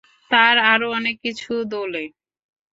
তার আরো অনেক কিছু দোলে।